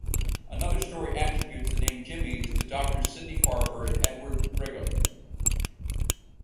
Another story attributes the name "jimmies" to Doctor Sidney Farber and Edward Brigham.